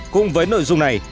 cùng với nội dung này